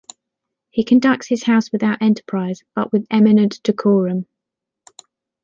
He conducts his house without enterprise, but with eminent decorum.